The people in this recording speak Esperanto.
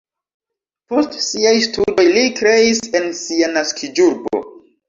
Post siaj studoj li kreis en sia naskiĝurbo.